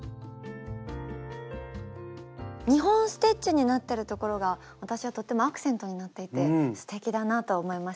２本ステッチになってるところが私はとってもアクセントになっていてすてきだなと思いましたね。